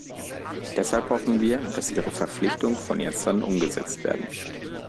Deshalb hoffen wir, dass Ihre Verpflichtung von jetzt an umgesetzt werden wird.